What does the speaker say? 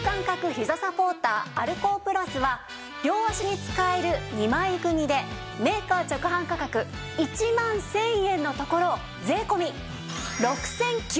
ひざサポーターアルコープラスは両脚に使える２枚組でメーカー直販価格１万１０００円のところ税込６９８０円です。